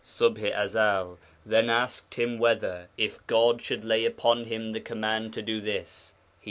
Ṣubḥ i Ezel then asked him whether, if God should lay upon him the command to do this, he would obey it.